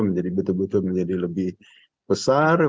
menjadi betul betul menjadi lebih besar